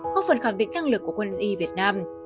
có phần khẳng định năng lực của quân y việt nam